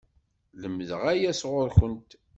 Lemdeɣ aya sɣur-kent!